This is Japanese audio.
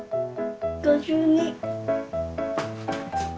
５２。